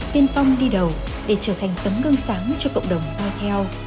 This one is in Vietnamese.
tiên công đi đầu để trở thành tấm gương sáng cho cộng đồng coi theo